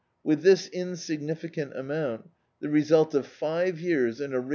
With this insig nificant amount, the result of five years in a rich I'6j] D,i.